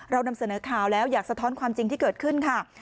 เรานำเสนอข่าวแล้วอยากสะท้อนความจริงที่เกิดขึ้นค่ะ